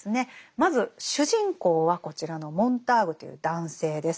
まず主人公はこちらのモンターグという男性です。